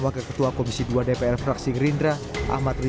dan keketua komisi dua dpr fraksi gerindra